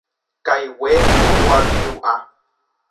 Kaigue omboapiru'a.